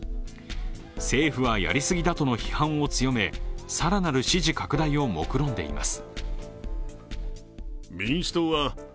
政府はやりすぎだとの批判を強め、更なる支持拡大をもくろんでいます。